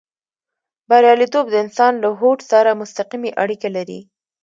برياليتوب د انسان له هوډ سره مستقيمې اړيکې لري.